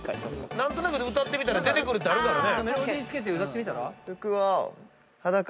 何となくで歌ってみたら出てくるってあるからね。